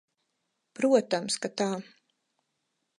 Protams, ka tā.